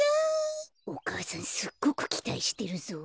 こころのこえお母さんすっごくきたいしてるぞ。